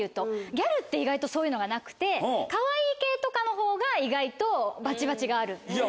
ギャルって意外とそういうのがなくて。とかのほうが意外とバチバチがある。